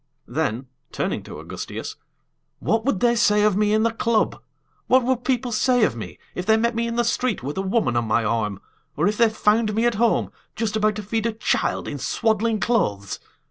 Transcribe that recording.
Then turning to Augustias "What would they say of me in the club? What would people say of me, if they met me in the street with a woman on my arm, or if they found me at home, just about to feed a child in swaddling clothes?